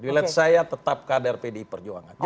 dilihat saya tetap kader pdip perjuangan